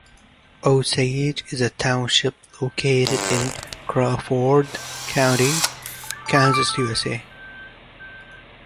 Osage is a township located in Crawford County, Kansas, USA.